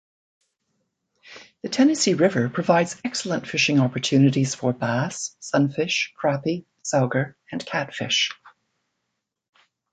The Tennessee River provides excellent fishing opportunities for bass, sunfish, crappie, sauger, and catfish.